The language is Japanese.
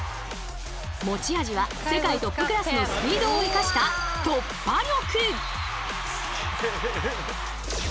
持ち味は世界トップクラスのスピードを生かした突破力！